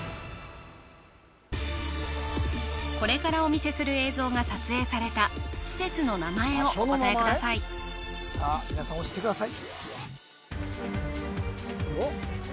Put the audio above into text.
これからお見せする映像が撮影された施設の名前をお答えくださいさあ皆さん押してください